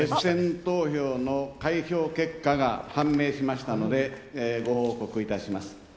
結果が判明しましたので、ご報告いたします。